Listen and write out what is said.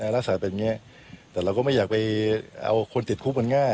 ลักษณะแบบนี้แต่เราก็ไม่อยากไปเอาคนติดคุกมันง่าย